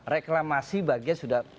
reklamasi bagian sudah